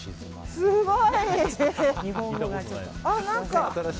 すごい！